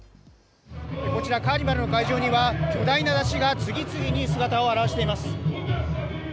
こちらカーニバルの会場には巨大な山車が次々に姿を現しています。